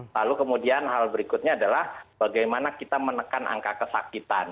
lalu kemudian hal berikutnya adalah bagaimana kita menekan angka kesakitan